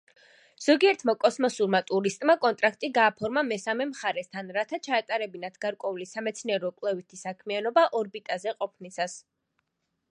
ზოგიერთმა კოსმოსურმა ტურისტმა კონტრაქტი გააფორმა მესამე მხარესთან, რათა ჩაეტარებინათ გარკვეული სამეცნიერო-კვლევითი საქმიანობა ორბიტაზე ყოფნისას.